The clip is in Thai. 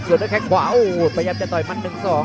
ส่วนด้วยแข้งขวาโอ้โหพยายามจะต่อยมัน๑๒